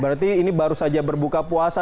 berarti ini baru saja berbuka puasa